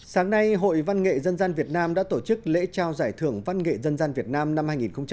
sáng nay hội văn nghệ dân gian việt nam đã tổ chức lễ trao giải thưởng văn nghệ dân gian việt nam năm hai nghìn một mươi chín